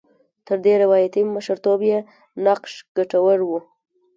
تر دې روایاتي مشرتوب یې نقش ګټور و.